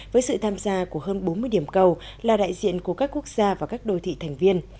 với sự tham gia của hơn bốn mươi điểm cầu là đại diện của các quốc gia và các đô thị thành viên